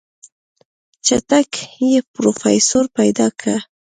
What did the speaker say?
چټک پې پروفيسر پيدا که.